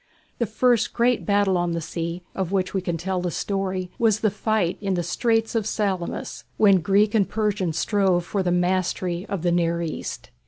The first great battle on the sea, of which we can tell the story, was the fight in the Straits of Salamis, when Greek and Persian strove for the mastery of the near East.